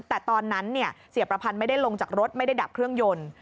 แต่ตอนนั้นเสียประพันธ์ไม่ได้ลงจากรถไม่ได้ดับเครื่องยนต์